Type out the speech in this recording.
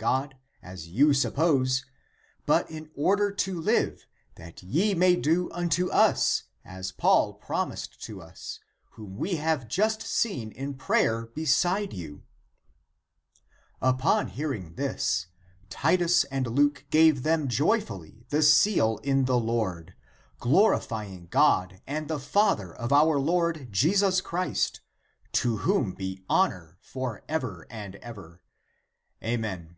7 This clause omitted in the Coptic. ACTS OF PAUL 49 as you suppose,*^ but in order to live, that ye may do unto us ^ as Paul promised to us, whom we have just seen in prayer beside you." Upon hearing this, Titus and Luke ^^ gave them joyfully the seal in the Lord, glorifying God and the Father of our Lord Jesus Christ, to whom be honor for ever and ever. Amen."